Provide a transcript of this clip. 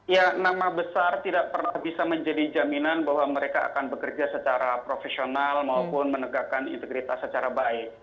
ya nama besar tidak pernah bisa menjadi jaminan bahwa mereka akan bekerja secara profesional maupun menegakkan integritas secara baik